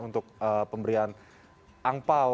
untuk pemberian angpao